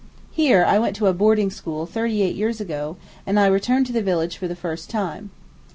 Here I went to a boarding school thirty eight years ago, and I returned to the village for the first time.